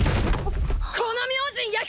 この明神弥彦！